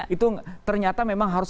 itu ternyata memang harus